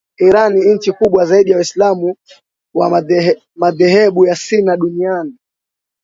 Iran nchi kubwa zaidi ya waislamu wa madhehebu ya shia duniani